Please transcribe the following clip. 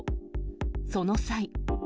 その際。